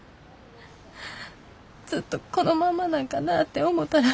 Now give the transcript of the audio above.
ずっとこのままなんかなって思たら。